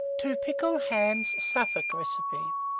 TO PICKLE HAMS (Suffolk Recipe).